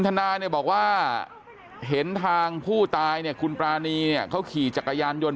ธนาเนี่ยบอกว่าเห็นทางผู้ตายเนี่ยคุณปรานีเนี่ยเขาขี่จักรยานยนต์